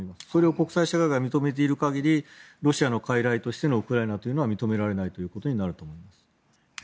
それを国際社会が認めている限りロシアのかいらいとしてのウクライナは認められないということになると思います。